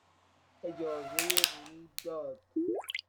اجازه ورود داد